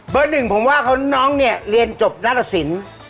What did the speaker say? เบอร์๑ผมว่าน้องเนี่ยเรียนจบรัฐสิน